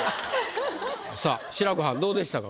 さあ志らくはんどうでしたか？